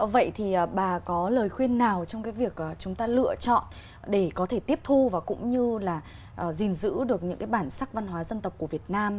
vậy thì bà có lời khuyên nào trong cái việc chúng ta lựa chọn để có thể tiếp thu và cũng như là gìn giữ được những cái bản sắc văn hóa dân tộc của việt nam